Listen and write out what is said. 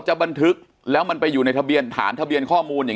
บันทึกแล้วมันไปอยู่ในทะเบียนฐานทะเบียนข้อมูลเนี่ย